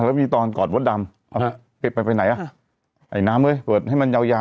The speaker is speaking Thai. แล้วมีตอนกอดวดดำเป็นไหนไอ้น้ำเว้ยให้มันยาวสิ